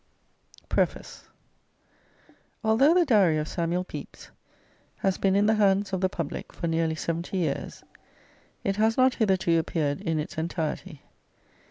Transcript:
1893 PREFACE Although the Diary of Samuel Pepys has been in the hands of the public for nearly seventy years, it has not hitherto appeared in its entirety.